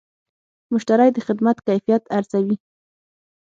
مشتری د خدمت کیفیت ارزوي.